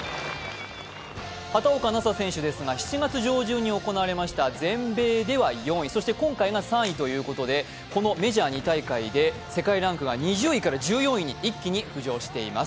畑岡奈紗選手ですが７月上旬に行われた全米では４位、そして今回は３位ということでこのメジャー２大会で世界ランクが２０位から１４位に一気に浮上しています。